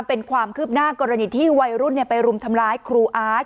เป็นความคืบหน้ากรณีที่วัยรุ่นไปรุมทำร้ายครูอาร์ต